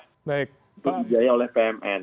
untuk dijaya oleh pmn